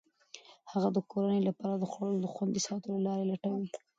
هغه د کورنۍ لپاره د خوړو د خوندي ساتلو لارې لټوي.